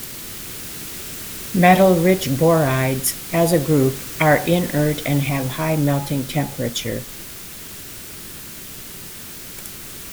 Metal-rich borides, as a group, are inert and have high melting temperature.